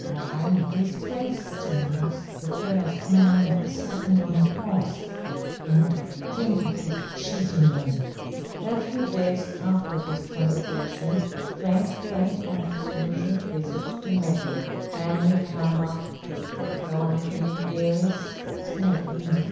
Why this Crayston was the first man that set me on a horse and to think of his cheating me!" A few days after this conversation, Frank came on his usual visit to Maggie. "Can you come up to the thorn tree, dearest?" said he.